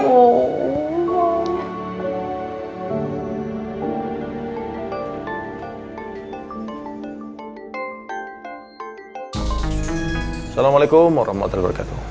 assalamu'alaikum warahmatullahi wabarakatuh